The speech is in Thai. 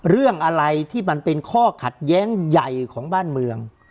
เรื่องอะไรที่มันเป็นข้อขัดแย้งใหญ่ของบ้านเมือง